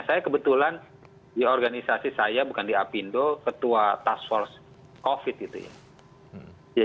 saya kebetulan di organisasi saya bukan di apindo ketua task force covid gitu ya